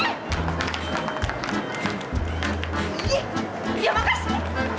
diam angkat sini